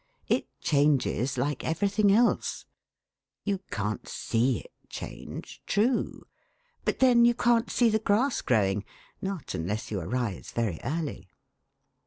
It changes like everything else. You can't see it change. True! But then you can't see the grass growing not unless you arise very early.